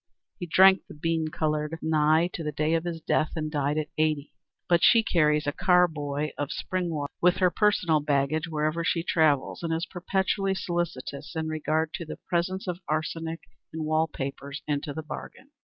He drank the bean colored Nye to the day of his death and died at eighty; but she carries a carboy of spring water with her personal baggage wherever she travels, and is perpetually solicitous in regard to the presence of arsenic in wall papers into the bargain.